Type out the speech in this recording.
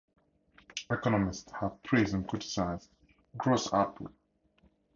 Economists have praised and criticized gross output.